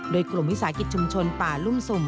โดยกลุ่มวิสาหกิจชุมชนป่าลุ่มสุ่ม